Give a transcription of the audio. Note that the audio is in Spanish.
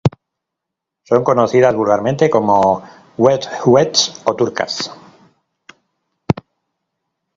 Son conocidas vulgarmente como huet-huets o turcas.